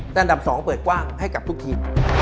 แต่อันดับ๒เปิดกว้างให้กับทุกทีม